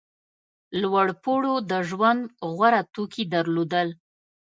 لوړپوړو د ژوند غوره توکي درلودل.